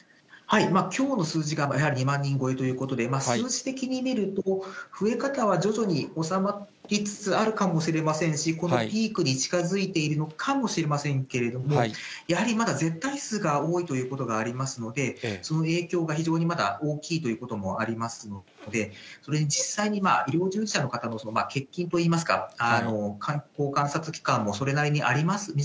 きょうの数字がやはり２万人超えということで、数字的に見ると、増え方は徐々に収まりつつあるかもしれませんし、このピークに近づいているのかもしれませんけれども、やはりまだ絶対数が多いということがありますので、その影響が非常にまだ大きいということもありますので、それに実際に医療従事者の方の欠勤といいますか、観察期間もそれなりにあります。